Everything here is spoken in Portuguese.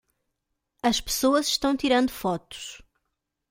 As pessoas estão tirando fotos